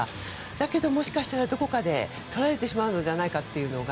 だけどもしかしたらどこかでとられてしまうんじゃないかというのが。